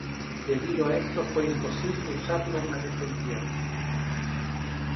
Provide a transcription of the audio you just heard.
Debido a esto fue imposible usarlo una vez en tierra.